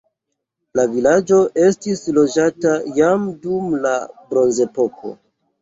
La vilaĝo estis loĝata jam dum la bronzepoko.